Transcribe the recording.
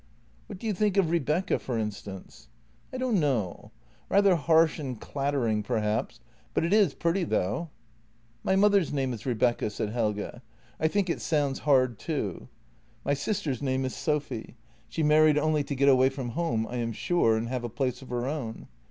" What do you think of Rebecca, for instance? "" I don't know. Rather harsh and clattering, perhaps, but it is pretty, though." " My mother's name is Rebecca," said Helge. " I think it sounds hard, too. My sister's name is Sophy. She married JENNY 101 only to get away from home, I am sure, and have a place of her own.